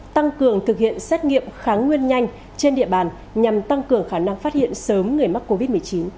tăng cường thực hiện xét nghiệm kháng nguyên nhanh trên địa bàn nhằm tăng cường khả năng phát hiện sớm người mắc covid một mươi chín